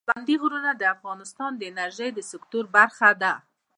پابندی غرونه د افغانستان د انرژۍ سکتور برخه ده.